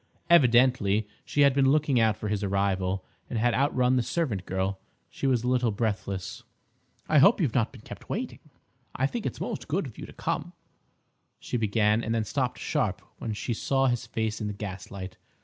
Evidently she had been looking out for his arrival, and had outrun the servant girl. She was a little breathless. "I hope you've not been kept waiting—I think it's most good of you to come—" she began, and then stopped sharp when she saw his face in the gaslight.